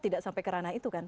tidak sampai kerana itu kan